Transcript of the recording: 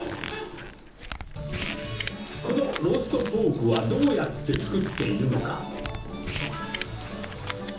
このローストポークはどうやって作っているのか。